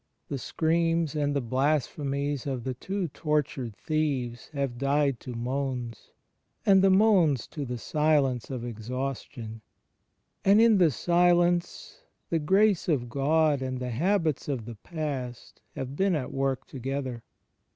... The screams and the blasphemies of the two tortured thieves have died to moans, and the moans to the silence of exhaus tion; and in the silence the Grace of God and the habits of the past have been at work together.